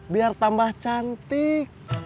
biar tambah cantik